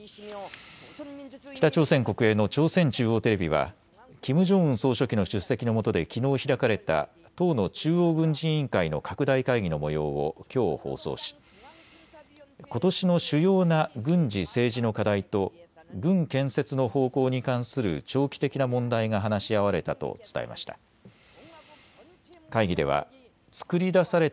北朝鮮国営の朝鮮中央テレビはキム・ジョンウン総書記の出席のもとできのう開かれた党の中央軍事委員会の拡大会議のもようをきょう放送しことしの主要な軍事・政治の課題と軍建設の方向に関する長期的な問題が話し合われたと伝えました。